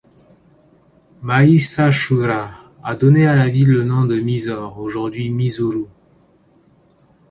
Mahishasura a donné à la ville le nom de Mysore, aujourd'hui Mysuru.